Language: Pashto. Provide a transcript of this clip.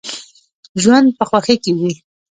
ژوند په خوښۍ کیږي.